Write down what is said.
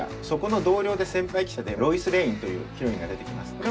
そこの同僚で先輩記者でロイス・レインというヒロインが出てきます。